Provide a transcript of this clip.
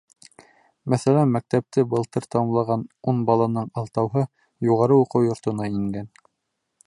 Мәҫәлән, мәктәпте былтыр тамамлаған ун баланың алтауһы юғары уҡыу йортона ингән.